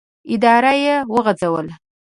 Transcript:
اداره یې وغځوله.